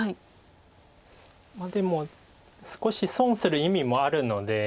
でも少し損する意味もあるので。